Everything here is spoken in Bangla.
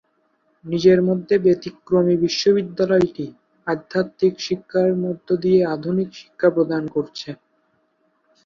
নিজের মধ্যে ব্যতিক্রমী বিশ্ববিদ্যালয়টি আধ্যাত্মিক শিক্ষার মধ্য দিয়ে আধুনিক শিক্ষা প্রদান করছে।